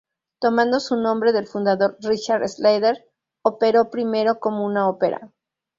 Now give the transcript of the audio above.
Tomando su nombre del fundador Richard Sadler, operó primero como una ópera.